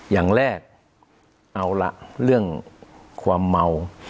อย่างแรกเอาล่ะเรื่องความเมา